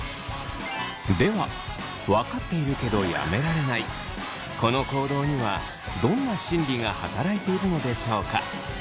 ではわかっているけどやめられないこの行動にはどんな心理が働いているのでしょうか。